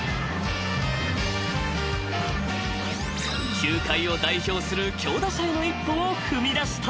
［球界を代表する強打者への一歩を踏み出した］